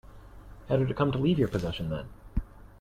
How did it come to leave your possession then?